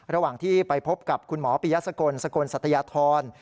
ระหว่างที่ไปพบกับคุณหมอปียสกลสกลสัตยธร